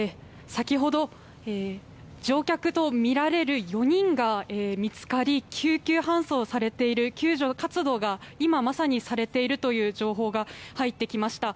先ほど乗客とみられる４人が見つかり救急搬送されて、救助活動が今、まさにされているという情報が入ってきました。